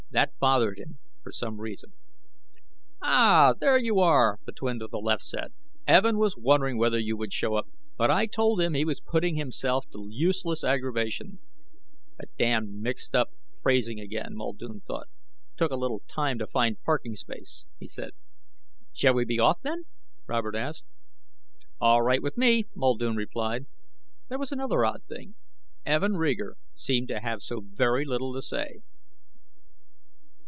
That bothered him, for some reason. "Ah, there you are," the twin to the left said. "Evin was wondering whether you would show up, but I told him he was putting himself to useless aggravation." That damned mixed up phrasing again, Muldoon thought. "Took a little time to find parking space," he said. "Shall we be off, then?" Robert asked. "All right with me," Muldoon replied. There was another odd thing. Evin Reeger seemed to have so very little to say.